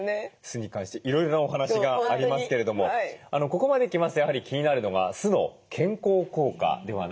酢に関していろいろなお話がありますけれどもここまで来ますとやはり気になるのが酢の健康効果ではないでしょうか。